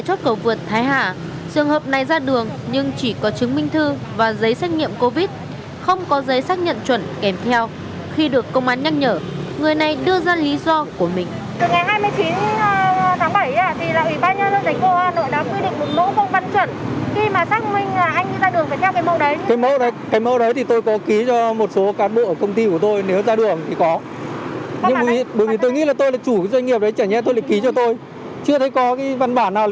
chưa thấy có cái văn bản nào mình ký cho mình cả